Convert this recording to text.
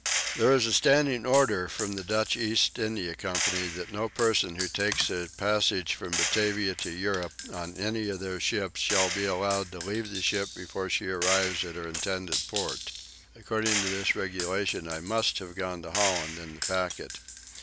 There is a standing order from the Dutch East India Company that no person who takes a passage from Batavia for Europe in any of their ships shall be allowed to leave the ship before she arrives at her intended port. According to which regulation I must have gone to Holland in the packet.